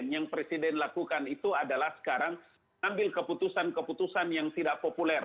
yang presiden lakukan itu adalah sekarang ambil keputusan keputusan yang tidak populer